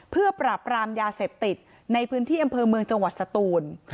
เพื่อปราบรามยาเสพติดในพื้นที่อำเภอเมืองจังหวัดสตูน